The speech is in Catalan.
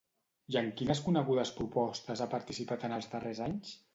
I en quines conegudes propostes ha participat en els darrers anys?